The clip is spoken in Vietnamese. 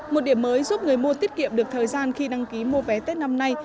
một điểm mới giúp người mua tiết kiệm được thời gian khi đăng ký mua vé tết năm nay